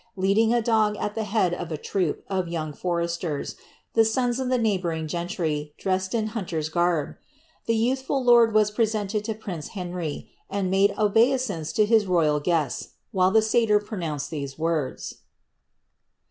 leading a liog al the head of a trv^.p of young foresters, the sons of the nci^libouring gentry, drested m hiiii ters' earb. Tlie youthful lord was presented to prince Henrv, aod mace ofaeif ance to his royal guests, while the satyr pronounced these wonli